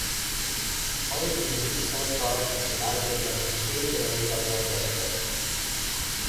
Only the mid-south parts of the island have retained their agricultural character.